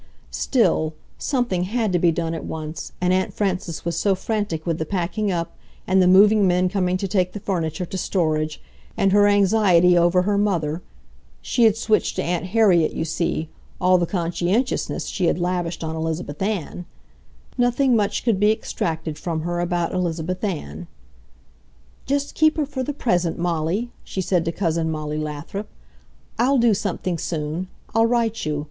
Still, something had to be done at once, and Aunt Frances was so frantic with the packing up, and the moving men coming to take the furniture to storage, and her anxiety over her mother—she had switched to Aunt Harriet, you see, all the conscientiousness she had lavished on Elizabeth Ann—nothing much could be extracted from her about Elizabeth Ann. "Just keep her for the present, Molly!" she said to Cousin Molly Lathrop. "I'll do something soon. I'll write you.